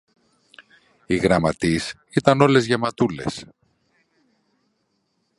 οι γραμματείς ήταν όλες γεματούλες